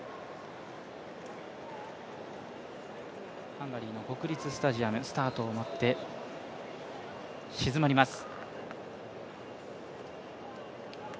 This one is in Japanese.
ハンガリーの国立スタジアム、スタートを待って静まります。